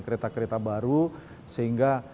kereta kereta baru sehingga